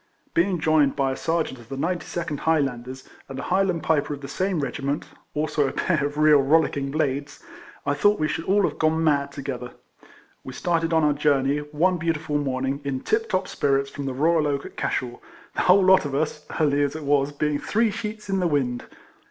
Being joined by a Serjeant of the 92nd Highlanders, and a Highland Piper of the same regiment (also a pair of real rollicking blades), I thought we should all have gone mad together. "VVe started on our journey, one beautiful morning, in tip top spirits, from the Royal Oak, at Cashel; the whole lot of us (early as it was) being three sheets in the wind.